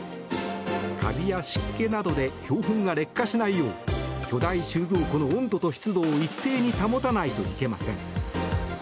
カビや湿気などで標本が劣化しないよう巨大収蔵庫の温度と湿度を一定に保たないといけません。